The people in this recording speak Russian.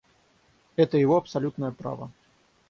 Это его абсолютное право.